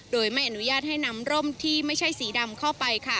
โดยไม่อนุญาตให้นำร่มที่ไม่ใช่สีดำเข้าไป